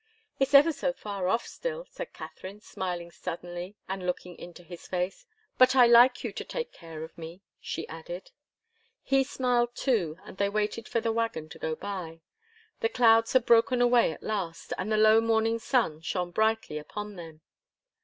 "It's ever so far off still," said Katharine, smiling suddenly and looking into his face. "But I like you to take care of me," she added. He smiled, too, and they waited for the wagon to go by. The clouds had broken away at last and the low morning sun shone brightly upon them.